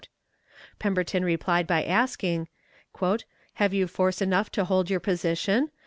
Pemberton replied by asking: "Have you force enough to hold your position?